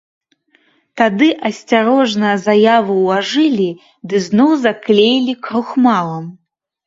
Тады асцярожна заяву ўлажылі ды зноў заклеілі крухмалам.